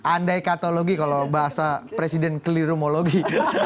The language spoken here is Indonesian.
andai katalogi kalau bahasa presiden keliru mau logi